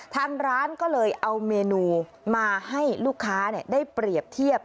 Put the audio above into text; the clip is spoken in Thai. ทางร้านก็เลยเอาเมนูมาให้ลูกค้าได้เปรียบเทียบ